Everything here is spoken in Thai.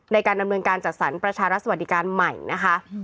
ในการดำเนินการจัดสรรประชารัฐสวัสดิการใหม่นะคะ